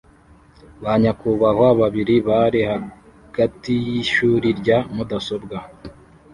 Ba nyakubahwa babiri bari hagati yishuri rya mudasobwa